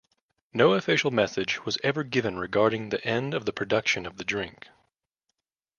No official message was ever given regarding the end of production of the drink.